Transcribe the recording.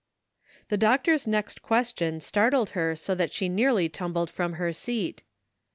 The doctor's next question startled her so that she nearly tumbled from her seat.